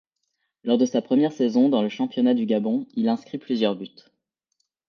Lors de sa première saison dans le championnat du Gabon, il inscrit plusieurs buts.